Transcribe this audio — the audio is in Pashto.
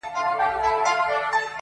نن له هغې وني ږغونه د مستۍ نه راځي؛